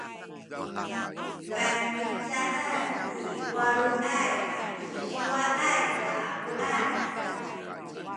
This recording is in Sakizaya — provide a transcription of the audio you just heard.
paymihcaan i waluay atu siwaay a bulad